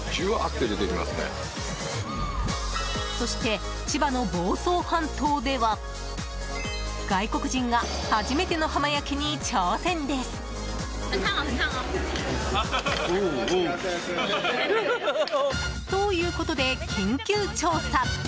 そして千葉の房総半島では外国人が初めての浜焼きに挑戦です！ということで、緊急調査！